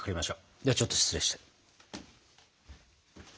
ではちょっと失礼して。